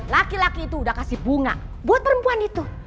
laki laki itu udah kasih bunga buat perempuan itu